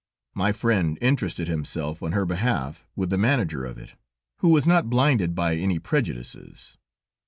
My friend interested himself on her behalf with the manager of it, who was not blinded by any prejudices.